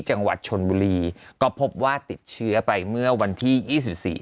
จังหวัดชนบุรีก็พบว่าติดเชื้อไปเมื่อวันที่ยี่สิบสี่